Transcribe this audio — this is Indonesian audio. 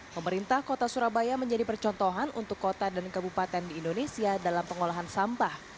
pemerintah kota surabaya menjadi percontohan untuk kota dan kabupaten di indonesia dalam pengolahan sampah